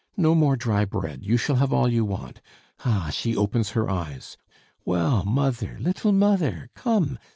No more dry bread; you shall have all you want Ah, she opens her eyes! Well, mother, little mother, come!